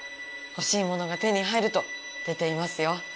ほしいものが手に入ると出ていますよ。